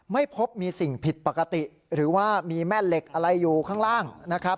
ไม่พบมีสิ่งผิดปกติหรือว่ามีแม่เหล็กอะไรอยู่ข้างล่างนะครับ